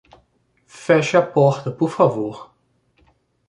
Feche a porta, por favor.